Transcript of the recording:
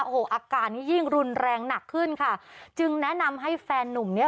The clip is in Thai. โอ้โหอาการนี้ยิ่งรุนแรงหนักขึ้นค่ะจึงแนะนำให้แฟนนุ่มเนี้ย